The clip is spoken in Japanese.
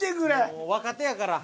もう若手やから。